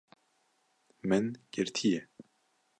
Min girtiye